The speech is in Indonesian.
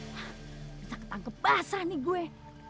bisa ketangkep basah nih gue